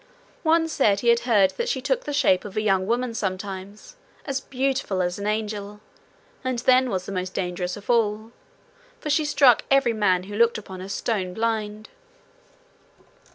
One said he had heard that she took the shape of a young woman sometimes, as beautiful as an angel, and then was most dangerous of all, for she struck every man who looked upon her stone blind.